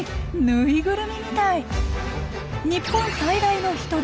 ぬいぐるみみたい。